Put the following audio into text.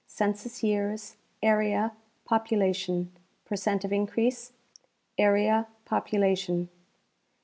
Census years. Area. Population. Per cent of increase. Area. Population.